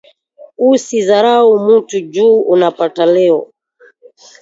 Usi zarau mutu ju unapata leo